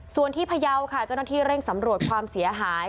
ส่วนที่พยาวค่ะเจ้าหน้าที่เร่งสำรวจความเสียหาย